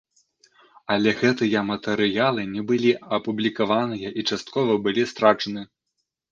Але гэтыя матэрыялы не былі апублікаваныя і часткова былі страчаны.